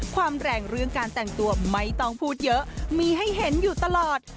ความแรงเรื่องการแต่งตัวไม่ต้องพูดเยอะมีให้เห็นอยู่ตลอด